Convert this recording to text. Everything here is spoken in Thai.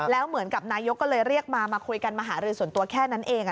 แล้วเหมือนกับนายกก็เลยเรียกมามาคุยกันมาหารือส่วนตัวแค่นั้นเอง